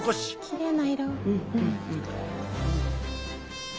きれいな色。